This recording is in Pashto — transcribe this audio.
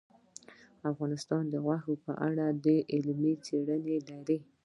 افغانستان د غوښې په اړه علمي څېړنې لري.